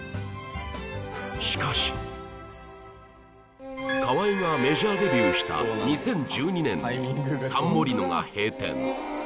しかし河合がメジャーデビューした２０１２年にサンモリノが閉店